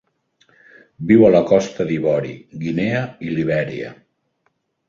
Viu a la Costa d'Ivori, Guinea i Libèria.